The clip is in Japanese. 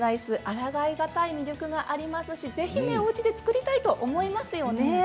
あらがい難い魅力がありますしぜひおうちで作りたいと思いますよね。